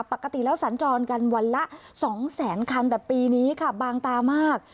ปกติแล้วสัญจรกันวันละ๒แสนคันแต่ปีนี้ค่ะบางตามาก